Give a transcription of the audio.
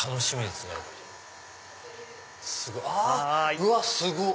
うわすごっ！